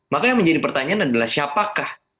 maka yang menjadi pertanyaan adalah siapakah